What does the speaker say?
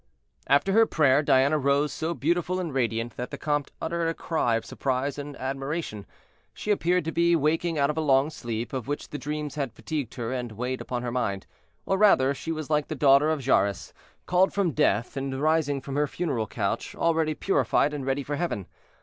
After her prayer Diana rose so beautiful and radiant that the comte uttered a cry of surprise and admiration. She appeared to be waking out of a long sleep, of which the dreams had fatigued her and weighed upon her mind; or rather, she was like the daughter of Jairus, called from death and rising from her funeral couch, already purified and ready for heaven.